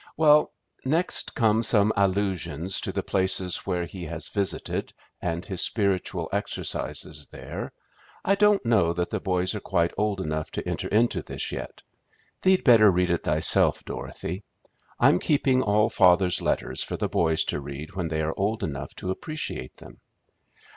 Well, next come some allusions to the places where he has visited and his spiritual exercises there. I don't know that the boys are quite old enough to enter into this yet. Thee'd better read it thyself, Dorothy. I'm keeping all father's letters for the boys to read when they are old enough to appreciate them."